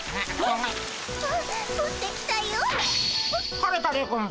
晴れたでゴンス。